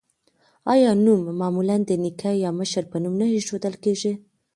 آیا نوم معمولا د نیکه یا مشر په نوم نه ایښودل کیږي؟